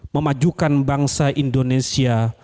memajukan bangsa indonesia